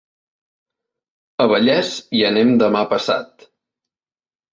A Vallés hi anem demà passat.